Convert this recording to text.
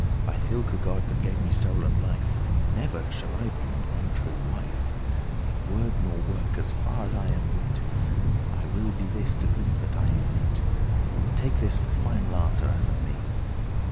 By thilke* God that gave me soul and life, *that Never shall I be an untrue wife In word nor work, as far as I have wit; I will be his to whom that I am knit; Take this for final answer as of me."